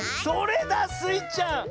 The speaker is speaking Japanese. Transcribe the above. それだスイちゃん！